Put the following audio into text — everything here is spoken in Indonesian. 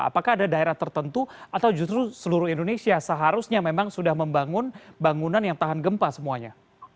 apakah ada daerah tertentu atau justru seluruh indonesia seharusnya memang sudah membangun bangunan yang tahan gempa semuanya